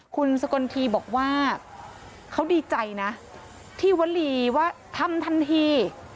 คุณสกลทีบอกว่าเขาดีใจนะที่วลีว่าทำทันที